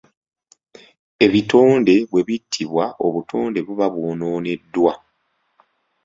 Ebitonde bwe bittibwa obutonde buba bwonooneddwa.